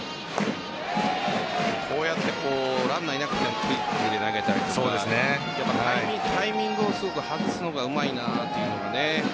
こうやってランナーがいなくてクイックで投げたりとかタイミングをすごく外すのがうまいなという。